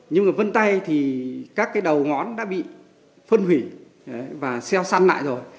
nhưng mà vân tay thì các cái đầu ngón đã bị phân hủy và xeo săn lại rồi